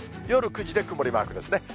夜９時で曇りマークですね。